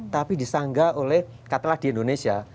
tapi disanggah oleh katakanlah di indonesia